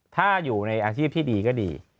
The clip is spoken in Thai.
ถ้าอยู่ในอาชีพที่ดีก็ดี